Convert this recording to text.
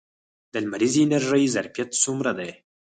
د لمریزې انرژۍ ظرفیت څومره دی؟